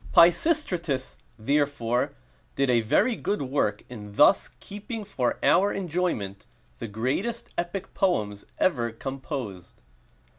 Pisistratus, therefore, did a very good work in thus keeping for our enjoyment the greatest epic poems ever composed.